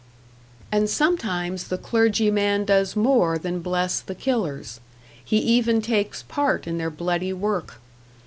And sometimes the clergyman does more than bless the killers he even takes part in their bloody work.